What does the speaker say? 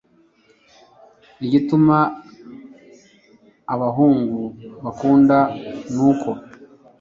Igituma abahungu bankunda nuko